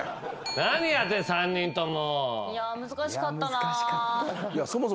何やってんの３人とも。